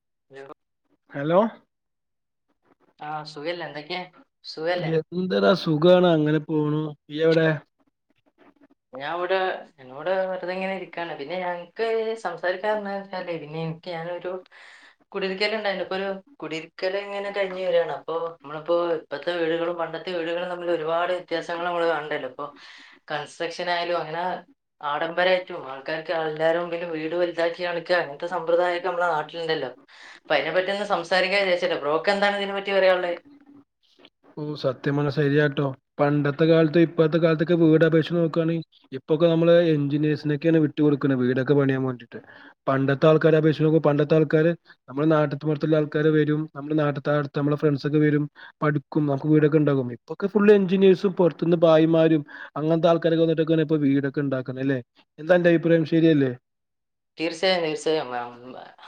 [inaudible] Hello ആഹ സുഖല്ലേ എന്തൊക്കെ സുഖല്ലേ എന്തെടാ സുഖമാണ് അങ്ങനെ പോണു ഇ എവിടെ ഞാൻ ഇവിടെ എന്നോട് വെറുതെങ്ങനെ ഇരിക്കയാണ് പിന്നെ ഞങ്ങക്ക് സംസാരിക്കാന്താച്ചാലേ പിന്നെ എനിക്ക് ഞാനൊരു കുടരിക്കല ഉണ്ടായിപ്പപ്പോൊ ഒരു കുടരിക്കൽ ഇങ്ങനെ കഴിഞ്ഞഞ് വരയാണ് അപ്പൊ നമ്മളിപ്പോ ഇപ്പഴത്തെ വീടുകളും പണ്ടത്തെ വീടുകളും തമ്മിൽ ഒരുപാട് വ്യത്യാസങ്ങളൾ നമ്മൾ കാണ്ടല്ലോ ഇപ്പൊ സെക്ഷൻ ആയാലും അങ്ങനെ ആഡംബര ഏറ്റവും ആൾക്കാർക്ക് എല്ലാവരും പിന്നെ വീട് വലുതാക്കി കണിക്കുക അങ്ങനത്തെ സമ്പ്രദായംൊക്കെ നമ്മളെ നാട്ടിലുണ്ടല്ലോ അപ്പ അതിനെപ്പറ്റി ഒ സംസാൻ വിചച്ചില്ല ബ്രോക്ക് എന്താണ് ഇതിനെ പറ്റി പറയുള്ളത് ഓ സത്യം പറ ശരിയാട്ടോ പണ്ടത്തെ കാലത്ത് ഇപ്പഴത്തെ കാലത്തൊക്കെ വീട് അപേക്ഷിച്ച് നോക്കുകവാണ ഇപ്പൊക്കെ നള് എഞ്ചിനീേഴ്സിനക്കെയാണ് വിട്ട കൊടുക്കുന്നത് വീടൊക്കെ പണിയാൻ വേണ്ടീട്ട് പണ്ഡത്തൽ കേ അപ്പ ഇസ്ോ പണ്ഡ താൾേ നമ്മുടെ നാട്ടത്ത് പുറത്തുള്ള ആൾക്കാര് വരും നമ്മുടെ നാട്ടത്ത് നമ്മളെ ഫ്രണ്ട്സ് ഒക്കെ വരും നമുക്ക് വീടൊക്കെണ്ടകും ഇപ്പൊക്കെ ഫുള് എചിനയേ്സും പുറത്തുന്ന് ഭായിമാരും അങ്ങനത്തെ ആൾക്കാരൊക്കെ വിട്ട്ക്ക ഇപ്പ വീടൊക്കെ ഉണ്ടാക്കണം അല്ലേ എന്താന്റെ അഭിപ്രായം ശരിയല്ലേ തീർച്ചയം നിീർ്യ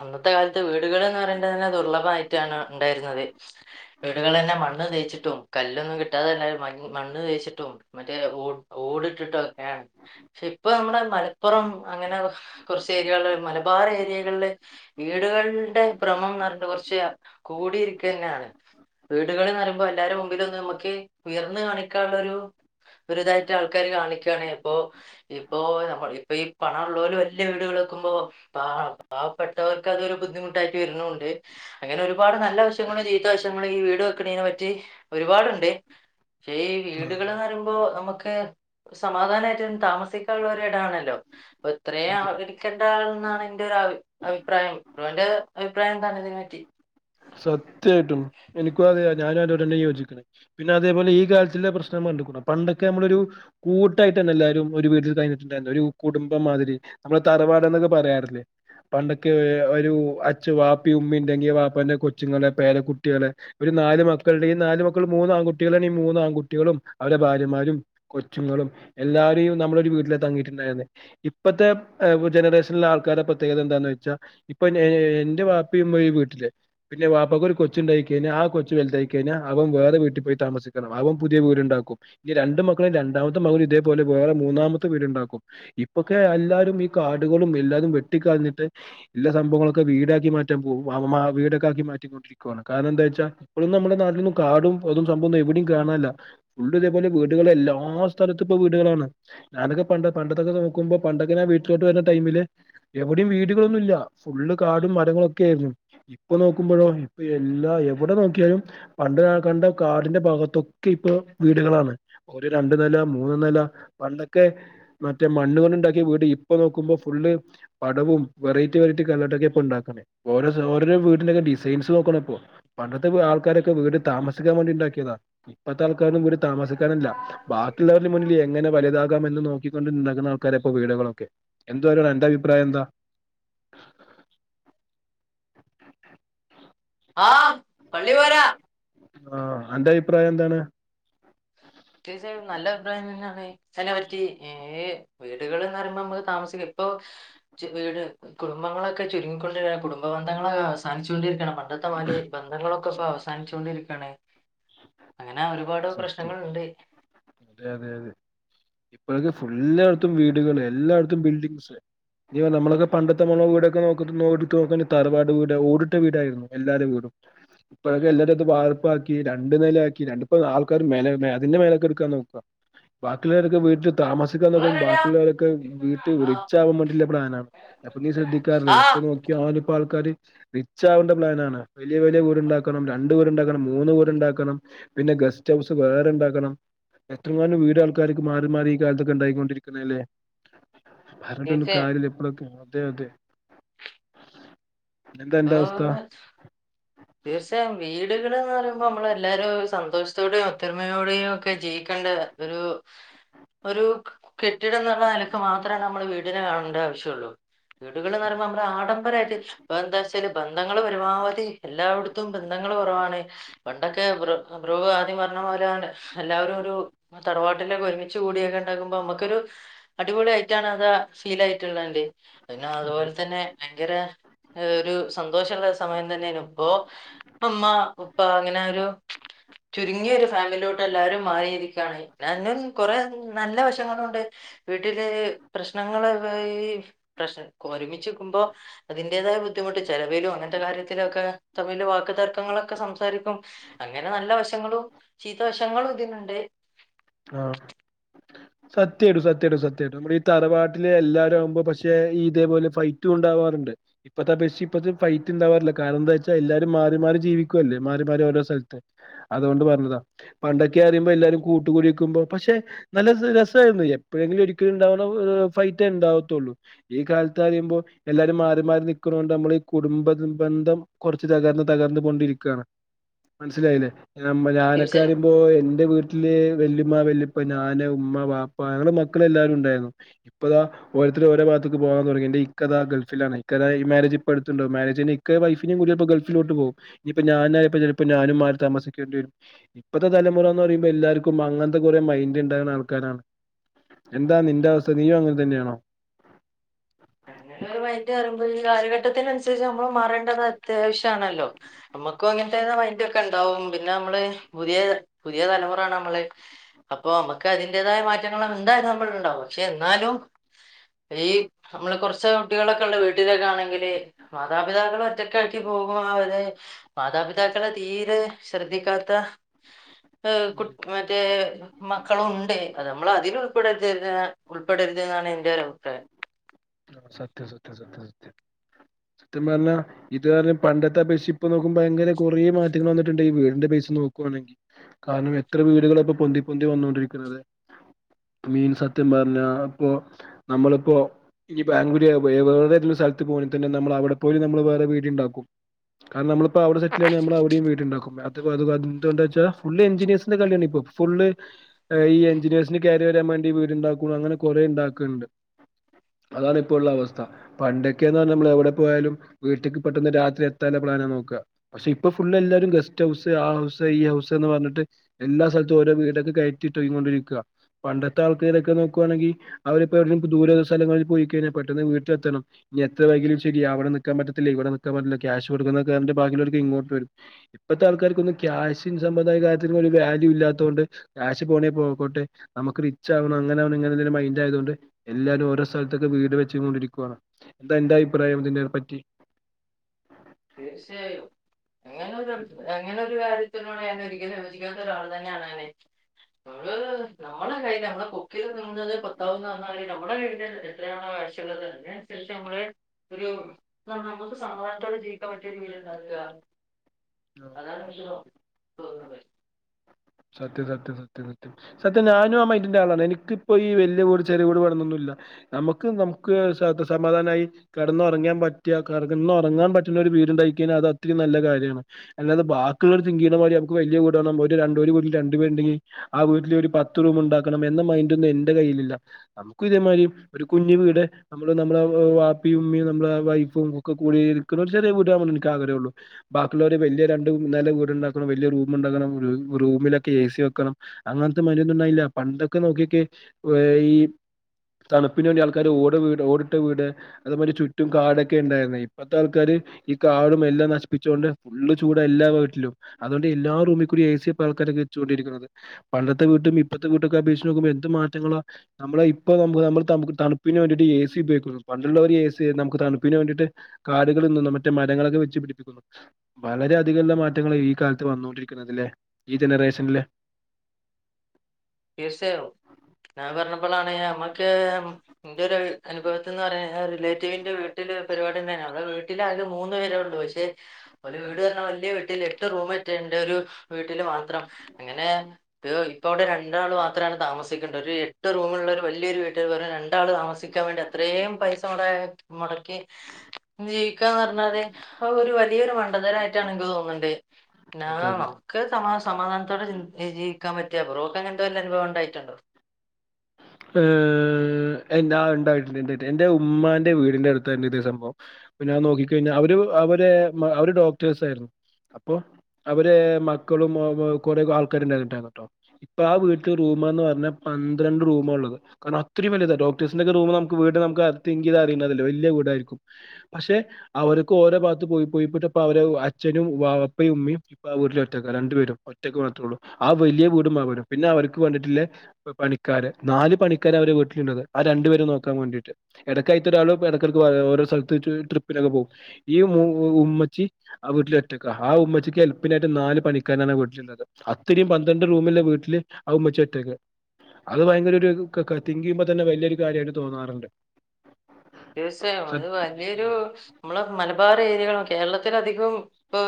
അന്നത്തെ കാലത്ത് വീടുകൾന്ന് പറയ തന്നെ ദുർലഭമായിട്ടാണ് ഉണ്ടായിരുന്നത് വീടുകൾ തന്നെ മണ്ണ് തേച്ചിട്ടും കല്ലൊന്നും കിട്ടാതെ തന്നെ മ മണ്ണ് തേയിച്ചിട്ടും മറ്റേ ഓടിട്ടിട്ടൊക്കെയാണ് പക്ഷെ ഇപ്പൊ നമ്മുടെ മലപ്പുറം അങ്ങനെ കുറച്ച് ഏരിയകള് മലബാർ ഏരിയകളില് വീടുകളുടെ ഭ്രമംന്ന്ഞ്ഞു കുറച്ച് കൂടിയിരിക്കുക തന്നെയാണ് വീടുകളന്ന് പറയുമ്പോ എല്ലാരരുും മുമ്പിലൊന്ന് നമുക്ക് ഉയർന്നു കാണിക്കാനുള്ളരു ഒരുുതായിട്ട് ആൾക്കാര് കാണിക്കയാണ അപ്പൊ ഇപ്പൊ നമ്മ ഇപ്പൊ ഈ പണ ഉള്ള പോലെ വ വ വീടുകൾ വക്കുമ്പോ പ പാവപ്പെട്ടവർക്ക് അത്ൊരു ബുദ്ധിമുട്ടായിാക്കി വരുന്നണ്ട് അങ്ങനെ ഒരുപാട് നല്ല ആവശ്യങ്ങള്ും ജീവിതാവശ്യങ്ങളും ഈ വീട് വെക്കണെ പറ്റി ഒരുപാടുണ്ട് പക്ഷേ ഈ വീടുകൾന്ന് പറയുമ്പോ നമുക്ക് സമാധാനമായിട്ടും താമസിക്കാനുള്ള ഒ ഇടംാണല്ലോ ആ ഇത്രയും അവഗടിക്കേണ്ട ആൾ എന്നാണ് എന്റെറെ ഒരു അഭിപ്രായം ഇ്രന്റെ അഭിപ്രായംന്താണ് ഇതിനെ പറ്റി സത്യായിട്ടും എനിക്കും അതെയാ ഞാനരോടന്നെ യോജിക്കണേ പിന്നെ അതേപോലെഈാലത്തില പ്രശ്നം കണ്ടണം പണ്ടൊക്കെ നമ്മളൊരു കൂട്ടായിട്ട് തന്നെ എല്ലാരും ഒരു വീട്ടിൽ കഴിഞ്ഞിട്ടുണ്ടായിരുന്നു ഒരു കുടുംബംമാതിരി നമ്മെ തറവാട എന്നൊക്കെ പറയാറില്ലേ പണ്ടൊക്കെ ഒരു അച്ു വാപ്പി ഉമ്മി ഉണ്ടെങ്കിയ വാപ്പറെ കൊച്ചുങ്ങള്െ പേലക്കുട്ടികള് ഒരു നാല് മക്കളുടെ ഈ നാല് മക്കൾ മൂന്ന ആൺകുട്ടികളാണ് ഈ മൂന്ന ആൺകുട്ടികളും അവടെ ഭാര്യമാരും കൊച്ചുങ്ങളും എല്ലാരേും നമ്മള ഒരു വീട്ടില തങ്ങിയിട്ടുണ്ടായിരുന്ന ഇപ്പഴത്തെ ജനറേഷനിലെ ആൾക്കാരുടെ പ്രത്യേകത എന്താന്ന് വെച്ചാൽ ഇപ്പൊ എന്റെ വാപ്പമ്മഴ വീട്ടില് പിന്നെ വാപ്പാ ഒരു കൊച്ചുണ്ടായി കഴിഞ്ഞാ ആ കൊച്ചു വലുതായി കഴിഞ്ഞാ അവൻ വേറെ വീട്ടിൽ പോയി തമസിക്കണം അവ പുതിയ വീട്ണ്ടാക്കും ഇനി രണ്ട് മക്കളും രണ്ടാമത്തെ മകനും ഇതേപോലെ വേറെ മൂന്നാമത്തെ വീടുണ്ടാക്കും ഇപ്പൊക്കെ എല്ലാരും ഈ കാടുകളും എല്ലാവാരും വെട്ടിക്കളഞ്ഞിട്ട് എല്ല സംഭവങ്ങളൊക്കെ വീടാക്കി മാറ്റാൻ പോവും വീട ക്കി മാറ്റിക്കൊണ്ടരിക്കുവാണ് കാരണം എന്താന്ന് വെച്ചാ ഇപ്പോളും നമ്മുടെ നാട്ടൊന്നും കാടും അതും സംഭവവും എവിടേയും കാണാനില്ല ള്ള ഇതേപോലെ വീടുകൾ എല്ലാ സ്ഥലത്തും ഇപ്പ വീടുകളാണ് ഞാനൊക്കെ പണ്ടൊക്കെ നോക്കുമ്പോ പണ്ടൊക്ക ഞാ വീട്ടിലോട്ട് വരുന്ന ടൈമില് എവിടെയും വീടുകളൊന്നുംല്ല ഫുള്ളും കാടും മരങ്ങളൊക്കെ ആയിരുന്നു ഇപ്പൊ നോക്കുമ്പോഴോ ഇപ്പൊ എല്ലാ എവിടെ നോക്കിയാലും പണ്ട് ഞാൻ കണ്ട കാടിന്റെ ഭാഗത്തൊക്കെ ഇപ്പൊ വീടുകളാണ് ഒരു രണ്ടു നില മൂന്ന് നില പണ്ടൊക്കെ മറ്റേ മണ്ണു കൊണ്ട് ഉണ്ടാക്കിയ വീട് ഇപ്പൊ നോക്കുമ്പോ ഫുള്ള് പടവും വെറൈറ്റി വെറൈറ്റി കണ്ടിട്ടോക്കെ ഇപ്പ ഇണ്ടാക്കണേ ഓരോ ദിവസം ഓരോ വീടും ഡിസൈൻസ് നോക്കണപ്പോ പണ്ടത്തെ ആൾക്കാരൊക്കെ വീട് താമസിക്കാൻ വേണ്ടി ഇണ്ടാക്കിയതാ ഇപ്പത്തെ ആൾക്കാരൊന്നും താമസിക്കാനല്ല ബാക്കിയുള്ള മുന്നിൽ എങ്ങനെ വലുതാകാം എന്ന് നോക്കി ക്കൊണ്ട് നിന്നെക്കുന്ന ആൾക്കാരെപ്പോ വീടുകളൊക്കെ എന്താണ് എന്റെ അഭിപ്രായം എന്താ ആ പള്ളിവരാ ആ അന്റെ അഭിപ്രായം എന്താണ് തീർച്ചയായും നല്ല അഭിപ്രായം തന്നെയാണ് അതിനെ പറ്റി ഏഹ് വീടുകളൾന്ന് പറയുമ്പോൾ നമുക്ക് താമസിക്കാം ഇപ്പൊ വീട് കുടുംബങ്ങളൊക്കെ ചുരുങ്ങിക്കൊണ്ടിരിക്ക കുടുംബന്ധങ്ങളൊക്കെ അവസാനിച്ചു കൊണ്ടിരിക്കുകയാണ് അന്നത്തെമാലെ ബന്ധങ്ങളൊക്കെ ഇപ്പൊ അവസാനിച്ചു കൊണ്ടിരിക്കാണ് സത്യം അതെ അതെ അതെ ഇപ്പോഴൊക്കെ എല്ലായിടത്തും വീടുകള് എല്ലായിടത്തും ബിൽഡിങ്ങ്സ് അയ്യോ നമ്മളൊക്കെ പണ്ടത്തെ നമ്മളെ വീടൊക്കെ നോക്ക നോക്ക തറവാട് വീട് ഓടിട്ട വീടായിരുന്നു എല്ലാരെ വീടും ഇപ്പൊക്കെ എല്ലാവരും അത് വാർപ്പാക്കി രണ്ടു നില ആക്കി രണ്ട് ആൾക്കാർ അതിന്റെ മേലേക്ക് എടുക്കാൻ നോക്ക ബാക്കിയുള്ളരൊക്കെ വീട്ടിൽ താമസ നിങ്ങള് റെഡിയാ? ബാക്കിയുള്ളവരൊക്കെ വീട്ടിൽ ആ റിച്ചു ആവാൻവേണ്ടിയുള്ള പ്ലാൻ ആണ് അപ്പോ നീ ശ്രദ്ധിക്കാറില്ലേ ആ, ഇപ്പ ആൾക്കാര് റിച്ച് ആവണ്ട പ്ലാൻ ആണ് വലിയ വലിയ ണ്ടാക്കണം രണ്ടു വീടുണ്ടാക്കണം മൂന്ന് വീടുണ്ടാക്കണം പിന്നെ ഗസ്റ്റ് ഹൗസ് വേറെ ഉണ്ടാക്കണം എത്രനാൾ വീട് ആൾക്കാർക്ക് മാറി മാറി ഈ കാലത്തൊക്കെ ഉണ്ടായിക്കോണ്ടിരിക്കുന്നല്ലേ പറഞ്ഞിട്ടൊന്നും തീർച്ചയായും കാര്യംല്ല ഇപ്പോളൊക്കെ അതെ അതെ എന്താ അന്റെ അവസ്ഥ ആഹ് തീർച്ചയായും വീടുകള്ന്ന് പറയുമ്പോൾ നമ്മള് എല്ലാരും സന്തോഷത്തോടെയും ഒത്തൊരുമയോടെയും ഒക്കെ ജീവിക്കേണ്ട ഇതൊരു ഒരു കെട്ടിടം എന്നുള്ള നിലക്ക് മാത്രമേ നമ്മള് വീടിനെ കാണേണ്ട ആവശ്യം ഉള്ളൂ വീടുകൾളെന്നു പറയുമ്പോ നമ്മടെ ആഡംബരമായിട്ട് ബന്ധങ്ങൾ പരമാവതി എല്ലായിടത്തും ബന്ധങ്ങൾ കുറവാണ് പണ്ടൊക്കെ ബ്രോ ബ്രോ ആദ്യം പറഞ്ഞ പോലാണ് എല്ലാവരും ഒരു തടവാട്ടിലൊക്കെ ഒരുമിച്ച് കൂടിയൊക്കെണ്ടാകുമ്പോ നമ്മുക്കൊരു അടിപൊളി ആയിട്ടാണ് അതാ ഫീൽ ആയിട്ടുള്ളന്റെ പിന്നെ അതെ അതുപോലെ തന്നെ ഭയങ്കര ഒരു സന്തോഷള്ള സമയം തന്നെനു ഇപ്പൊ ഇപ്പുമ്മ ഉപ്പ അങ്ങനെ ഒരു ചുരുങ്ങിയൊരു ഫാമിലിലോട്ട് എല്ലാരും മാറിയിരിക്കുകയാണ് എന്നാലും കൊറെ നല്ല വശങ്ങളുണ്ട് വീട്ടില് പ്രശ്നങ്ങളായി പ്രശ്ന ഒരുമിച്ചു നിക്കുമ്പോൾ അതിന്റെതായ ബുദ്ധിമുട്ട് ചിലവിലും അങ്ങനത്തെ കാര്യത്തിലൊക്കെ തമ്മിൽ വാക്കു തർക്കങ്ങളൊക്കെ സംസാരിക്കും അങ്ങനെ നല്ല വശങ്ങളും ചീത്ത വശങ്ങളും ഇതിനുണ്ട് ആഹ് സത്യായിട്ടും സത്യായിട്ടും സത്യായിട്ടും നമ്മടെ ഈ തറവാട്ടില് എല്ലാരും ആവുമ്പോ പക്ഷെ ഇതേപോലെ ഫൈറ്റും ഉണ്ടാവാറുണ്ട് ഇപ്പൊ അത് അപേക്ഷിച്ചു ഇപ്പത് ഫൈറ്റ് ഉണ്ടാവാറില്ല കാരണം എന്താന്ന് വെച്ചാ എല്ലാവരും മാറി മാറി ജീവിക്കുവല്ലേ മാറി മാറി ഓരോ സ്ഥലത്ത്. അതുകൊണ്ട് പറഞ്ഞതാ പണ്ടൊക്കെ അറിയുമ്പോ എല്ലാരും കൂട്ടുകൂടി പക്ഷെ നല്ല രസമായിരുന്നു എപ്പോഴെങ്കിലും ഒരിക്കലും ഉണ്ടാവുന്ന ഫൈറ്റ് ഉണ്ടാവാത്തുള്ളൂ ഈ കാലത്ത് അറിയുമ്പോൾ എല്ലാരും മാറി മാറി നിൽക്ക്ണോ കൊണ്ട് നമ്മൾ ഈ കുടുംബ ബന്ധം കുറച്ച് തകർന്ന് തകർന്ന് കൊണ്ടിരിക്കുകയാണ് മനസ്സിലായില്ലേ? ഞാനൊക്കെ തീർച്ചയായും പറയുമ്പോ എന്റെ വീട്ടില് ഉമ്മ വല്യപ്പ ഞാന് ഉമ്മ വാപ്പ അങ്ങനെ മക്കള എല്ലാരും ഉണ്ടായിരുന്നു ഇപ്പതാ- ഓരോരുത്തര് ഓരോ ഭാഗത്തേക്ക്‌ പോവാൻ തുടങ്ങി എന്റെ ഇക്ക താ ഗൾഫിലാണ് ഇക്കതാ ഈ മാരേജ് ഇപ്പ എടുത്തണ്ടാവും മാരേജിന് ഇക്ക വൈഫിനെയും കൂടിപ്പോ ഗൾഫിലോട്ട് പോവും ഇനിയിപ്പോ ഞാനപ്പോ ചിലപ്പോ ഞാനും മാറി താമസിക്കേണ്ടി വരും ഇപ്പത്തെ തലമുറ എന്ന് പറയുമ്പോ എല്ലാർക്കും അങ്ങന ത്തെ കുറെ മൈൻഡ് ഉണ്ടാകുന്ന ആൾക്കാരാണ് എന്താ നിന്റെ അവസ്ഥ നീയും അങ്ങന് തന്നെയാണോ? അങ്ങനെ ഒരു മൈൻഡ് വരുമ്പോ ഈ കാലഘട്ടത്തിനനുസരിച്ച് നമ്മൾ മാറേണ്ടത് അത്യാവശ്യണല്ലോ നമ്മുക്കും അങ്ങനത്തെമൈൻഡ് ഒക്കെ ഉണ്ടാവും പിന്നെ നമ്മള് പുതിയ പുതിയ തലമുറയാണ് നമ്മള് അപ്പൊ നമ്മുക്ക് അതിന്റേതായ മാറ്റങ്ങൾ എന്തായാലും ഉണ്ടാവും പക്ഷെ എന്നാലും ഈ- നമ്മള് കുറച്ച് കുട്ടികളൊക്കെ ഉള്ള വീട്ടിലൊക്കെ ആണെങ്കില് മാതാപിതാക്കളെ ഒറ്റക്ക് ആക്കി പോകുമ്പോ അവര് മാതാപിതാക്കളെ തീരെ ശ്രദ്ധിക്കാത്ത ഏഹ കു മറ്റേ മക്കളുണ്ട് അത് നമ്മൾ അതില് ഉൾപ്പെടുരുത് ഉൾപ്പെടരുത് എന്ന് ത ന്നെയാണ് എന്റെ ഒരു അഭിപ്രായം. സത്യം സത്യം സത്യം സത്യം [inaudible] സത്യം പറ്ഞ്ഞാ ഇത് കാരണം പണ്ടത്തെപേക്ഷിച്ചു ഇപ്പൊ നോക്കുമ്പോ ഭയങ്കര കുറേ മാറ്റങ്ങൾ വന്നിട്ടുണ്ട് ഈ വീടിന്റെ ബേസ് നോക്കുവാണെങ്കിൽ കാരണം എത്ര വീടുകളാ ഇപ്പൊ പൊന്തി പൊന്തി വന്നൊണ്ടിരിക്കുന്നത് മീൻസ് സത്യം പറഞ്ഞ ഇപ്പൊ നമ്മളിപ്പോ ഇനി ബാംഗലുരി വേറെ ഏതെങ്കും സ്ഥലത്ത് പോണങ്കി തന്നെ നമ്മൾ അവിടെ പോയി നമ്മള് വേറെ വീട് ഉണ്ടാക്കും. കാരണം നമ്മളിപ്പോ അവിടെ സെറ്റിൽ ആണെങ്കി നമ്മൾ അവിടെയും വീടുണ്ടാക്കും അത് എന്തുണ്ടാ വച്ചാ ഫുളള് എൻജിനീയഴ്സിന്റെ കളിയാണ് ഇപ്പം. ഫുള് ഈ എഞ്ചിനീയേഴ്സിന് കേറി വരാൻ വേണ്ടി വീട്ണ്ടാക്ക അങ്ങനെ കൊറെേ ഉണ്ടാക്കുന്നുണ്ട് അതാണ് ഇപ്പോ ഉള്ള അവസ്ഥ പണ്ടൊക്കെയന്ന് പറഞ്ഞാൽ നമ്മള് എവിടെ പോയാലും വീട്ട്ക്ക് പെട്ടെന്ന് രാത്രി എത്താനാ പ്ലാനാ നോക്ക പക്ഷെ ഇപ്പൊ ഫുള്ള് എല്ലാരും ഗസ്റ്റ് ഹൗസ് ആ ഹൗസ് ഈ ഹൗസ് എന്ന് പറഞ്ഞിട്ട് എല്ലാ സ്ഥലത്തും ഓരോ വീടൊക്കെ കയറ്റിട്ട് [unintelligible] കൊണ്ടിരിക്ക പണ്ടത്തെ ആൾക്കാരൊക്കെ നോക്കുവാണെങ്കിൽ അവരിപ്പോ എവിടെ ദൂര സ്ഥലങ്ങളിൽ പോയി കഴിഞ്ഞാൽ പെട്ടെന്ന് വീട്ടിലെത്തണം. ഇനി എത്ര വൈകിയാലും ശരി അവിടെ നിക്കാൻ പറ്റത്തില്ല ഇവിടെ നിക്കാൻ പറ്റില്ല ക്യാഷ് കൊടുക്കുന്നന്റെ ഭാഗായിട്ടു അവർ ഇങ്ങോട്ട് വരും. ഇപ്പഴത്തെ ആൾക്കാർക്കൊന്നും ക്യാഷിൻ സംബന്ധമായ കാര്യത്തില് ഒരു വാല്യൂ ഇല്ലാത്തുകൊണ്ട് ക്യാഷ് പോണേ പോക്കോട്ടെ നമുക്ക് റിച്ച് ആവണം അങ്ങന ഇങ്ങനെന്ത മൈന്ഡ് ആയതുകൊണ്ട് എല്ലാരും ഓരോ സ്ഥലത്തൊക്കെ വീട് വെച്ചൊണ്ടിരിക്കുവാ എന്താ നിന്റെ അഭിപ്രായം ഇതിനെ പറ്റി [unintelligible] അങ്ങനൊരു അങ്ങനെ ഒരു കാര്യത്തിനോടെ ഞാൻ ഒരിക്കലും യോജിക്കാത്ത ഒരാൾ തന്നെയാണ് അങ്ങനെ നമ്മള് നമ്മളെ കയ്യിൽ നമ്മള കൊക്കിൽ ഒതുങ്ങുന്നതേ കൊത്താവൂ എന്ന് പറഞ്ഞ മാതിരി നമ്മുടെ വീട് എന്താണോ ആവശ്യമുള്ളത് അതിനനുസരിച്ച് നമ്മള് ഒരു നമുക്ക് സമാധാനത്തോടെജീ വിക്കാൻപറ്റിയ [unintelligible] [unintelligible] അതാണ് [unintelligible] സത്യം സത്യം സത്യം സത്യം സത്യം ഞാനും ആ മൈറ്റിന്റെ ആളാണ് എനിക്കിപ്പോ ഈ വല്യ വീട് ചെറിയ വീട് വേണന്നെന്നുല്ല വേണോന്ന്ന്നുമില്ല. നമുക്ക് നമുക്ക്സത്യ സമാധാനമായി കിടന്നുറങ്ങാൻ പറ്റിയ കിടന്നുറങ്ങാൻ പറ്റുന്ന ഒരു വീടുണ്ടായി കഴിഞ്ഞാ അത് അത്തിരിം നല്ല കാര്യമാണ്. അല്ലാതെ ബാക്കിയുള്ള ഒരു തിങ്കീയുടെതിരി നമുക്ക് വലിയ വീടാണം ഒരു രണ്ട് വരി രണ്ടുപേരുണ്ടെങ്കിൽ ആ വീട്ടില് ഒരു പത്ത് റൂം ഉണ്ടാക്കണം എന്ന മൈൻഡ് ഒന്നും എന്റെ കയ്യിലില്ല. നമുക്കു ഇതേമാരി ഒരു കുഞ്ഞു വീട് നമ്മള് നമ്മള വാപ്പി ഇമ്മി നമ്മുടെ വൈഫും ഒക്കെ കൂടിയിരിക്കുന്ന ഒരു ചെറിയ വീട് എനിക്ക് ആഗ്രഹൊള്ളു ബാക്കിയുള്ളോര് വെല്യ രണ്ട് നേല വീട് ണ്ടാക്കണം വെല്യ റൂമ് ണ്ടാക്കണം റൂമിലെ- ഏ സി വെക്കണം അങ്ങൻത്തെ മെനൊന്നും ഉണ്ടായില്ല പണ്ടൊക്കെ നോക്കിക്കെ ഏ ഈ- തണുപ്പിന് വേണ്ടി ആൾക്കാര് ഓട് വീട് ഓടിട്ട വീട് അതേ മാരി ചുറ്റും കാടൊക്കെ ണ്ടായിര്ന്നേ ഇപ്പത്തെ ആൾക്കാര് ഈ കാടും എല്ലാം നശിപ്പിച്ചോണ്ട് ഫുള്ള് ചൂടാ എല്ലാ വീട്ടിലും അതോണ്ട് എല്ലാറൂമികൂടി ഏ സി ഇപ്പൊ ആൾക്കാരൊക്കെവെച്ചുകൊണ്ടിരിക്കണത് പണ്ടത്തെ വീട്ടും ഇപ്പത്തെ വീട്ടുംക്കെ അപേക്ഷിച്ച് നോക്കുമ്പോ എന്ത് മാറ്റങ്ങളാ നമ്മള ഇപ്പ വ ബ് തണുപ്പിന് വേണ്ടിട്ട് ഏ സി ഉപയോഗിക്കുന്നു. പണ്ടുള്ളവര് എ സി നമുക്ക് തണുപ്പിന് വേണ്ടീട്ട് കാടുകളിൽ നിന്നും മറ്റേ മരങ്ങളൊക്കെ വെച്ച് പിടിപ്പിക്കുന്നു. വളരെ അധികള്ള മാറ്റങ്ങളാ ഈ കാലത്ത് വന്നോണ്ടിരിക്കുന്നത് ല്ലേ. ഈ ജനറേഷനില് തീർച്ചയായും ഞാൻ പറഞ്ഞപ്പളാണ് നമ്മക്ക് എന്റെ ഒരു അനുഭവത്തിന്ന് പറയ റിലേറ്റീവിന്റെ വീട്ടില് പരിപാടിണ്ടാനി അവ്ടെ വീട്ടിൽ ആകെ മൂന്നു പേര പക്ഷെഓലേ വീട് പർഞ്ഞ വലിയ വീട്ടിൽ എട്ട് റൂമണ്ട് ഒരു വീട്ടില് മാത്രം അങ്ങനെ ഇ ഇപൗടെ രണ്ട് രണ്ടാള് മാത്രമാണ് താമസിക്ക്ണ്ട്. ഒരു എട്ട് റൂമുള്ള ഒരു വല്യോരു വീട്ടിൽ വെറും രണ്ടാള് താമസിക്കാൻ വേണ്ടി അത്രയും പൈസ മുടെ മുടക്കി ജീവിക്കാന്ന് പറഞ്ഞാല് ഒരു വലിയൊരു മണ്ഡതരായിട്ടാണ് നിക്ക് തോന്ന്ണ്ട് നാ അതെ അതെ നമുക്ക് സമാ സമാധാനത്തോടെ ജീവിക്കാൻ പറ്റ്‌യ ബ്റോക് അങ്ങൻത്തെ വല്ല അനുഭവം ണ്ടായിട്ടുണ്ടോ ഏഹ് എ ആ ണ്ടായിട്ട് എന്റെ ഉമ്മാന്റെ വീടിന്റെ അടുത്തായിരുന്നു ഇത് സംഭവം പിന്നെ അത് നോക്കിക്കഴിഞ്ഞാൽ അവരു അവരേ അവര് ഡോക്ടേയിസായിരുന്നു. അപ്പൊ അവരേ മക്കളും കൊറെ ആൾക്കാരുണ്ടായിരുന്നു കേട്ടോ ഇപ്പൊ ആ വീട്ടിൽ റൂമ ന്ന് പറഞ്ഞ പന്ത്രണ്ട് റൂ മ ള്ളേ കാരണ അത്രയും വല്യത ഡോക്ട്ടേസിന്റെക്കേ റൂമ് നമക് വീട് നമക് അതികിം അറീണതല്ലേ. വെല്യ വീടായിരിക്കും. പക്ഷെ അവർക്ക് ഓരോ ഭാഗത്ത് പോയി പോയിട്ടപ്പ അവര് അച്ഛനും വാപ്പയും ഉമ്മീം ഇപ്പ ആ വീട്ടില് ഒറ്റക്ക രണ്ടുപേരും ഒറ്റക്ക് മാത്രേള്ളൂ ആ വലിയ വീടും അവരും പിന്നെ അവർക്ക് വേണ്ടിട്ട്ള്ളേ പണിക്കാര് നാല് പണിക്കാര് അവരേ വീട്ടിലുള്ളത്. ആ രണ്ടുപേരെ നോക്കാവേണ്ടിട്ട് ഇടയ്ക്കയിത്തൊരാള് ഇടക്കടക്ക് ഓരോ സ്ഥലത്ത് ട്രിപ്പിനൊക്കെ പോവും ഈ ഉമ്മച്ചി ആ വീട്ടില് ഒറ്റയ്ക്ക ആ ഉമ്മച്ചിക്ക് എല്പിനായിട്ട് നാല് പണിക്കാരനാണ് ആ വീട്ടില് അത്തിരിം പന്ത്രണ്ട് റൂമില്ല വീട്ടില് ആ ഉമ്മച്ചി ഒറ്റക്ക അത് ഭയങ്കര ഒരു തിങ് ചെയുമ്പോ തന്നെ വല്യോരു കാര്യമായിട്ട് തോന്നാറുണ്ട് തീർച്ചയായും അത് സത് വലിയൊരു ഉം മ്മളെ മലബാറ് ഏരിയകള കേരളത്തിലധികും ഇപ്പൊ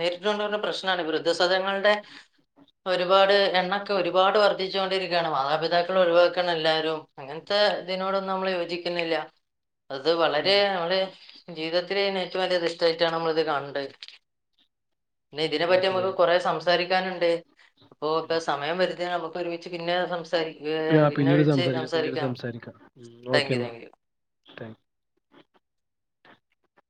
നേരിട്ട് കൊണ്ട് വരുന്ന പ്രശ്നാണ് വൃദ്ധസദനങ്ങളുടെ ഒരുപാട് എണ്ണക്കെ ഒരുപാട് വർദ്ധിച്ചു കൊണ്ടിരിക്കുകയാണ് മാതാപിതാക്കൾ ഒഴിവാക്കാണ് എല്ലാരും അങ്ങൻത്തെ ഇതിനോടൊന്നും നമ്മൾ യോജിക്കുന്നില്ല അത് ഉം വളരെ നമ്മുടെ ജീവിതത്തിലേ ഏറ്റവും അലിയ തെറ്റായിട്ടാണ് നമ്മൾ ഇത് കാണണ്ടത് പിന്നെ ഇതിനെ പറ്റി അതെ അമ്മക്ക് അതെ കൊറേ സംസാ സാരിക്കാനുണ്ട് അപ്പൊ ഇപ്പ സമയം വരുതേ നമുക്ക് ഒരുമിച്ച് പിന്നെ സംസാരി ആ, പിന്നെ പിന്നീട് വിളിച്ച് പിന്നീട് സംസാരിക്കാം. ഓക്കെ താങ്ക് യു എന്നാ താങ്ക് യു താങ്ക് യു.